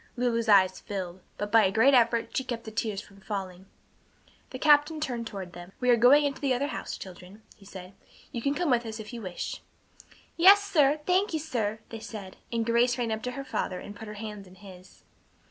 Lulu's eyes filled, but by a great effort she kept the tears from falling. The captain turned toward them. "We are going into the other house, children," he said. "You can come with us if you wish." "Yes, sir. Thank you, sir," they said, and Grace ran to her father and put her hand in his.